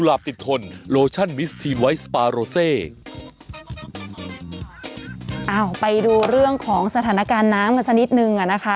เอาไปดูเรื่องของสถานการณ์น้ำกันสักนิดนึงอ่ะนะคะ